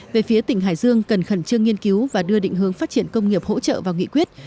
về phía tỉnh hải dương cần khẩn trương nghiên cứu và đưa định hướng phát triển công nghiệp hỗ trợ vào nghị quyết